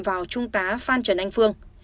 vào trung tá phan trần anh phương